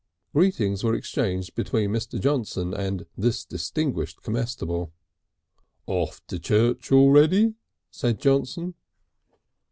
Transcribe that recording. Greetings were exchanged between Mr. Johnson and this distinguished comestible. "Off to church already?" said Johnson.